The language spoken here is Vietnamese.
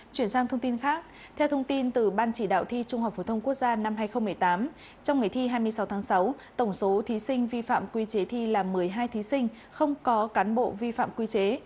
chuyển sang thông tin khác theo thông tin từ ban chỉ đạo thi trung học phổ thông quốc gia năm hai nghìn một mươi tám trong ngày thi hai mươi sáu tháng sáu tổng số thí sinh vi phạm quy chế thi là một mươi hai thí sinh không có cán bộ vi phạm quy chế